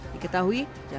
diketahui jalur listriknya